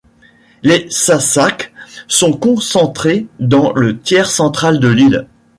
Les Sasak sont concentrés dans le tiers central de l'île.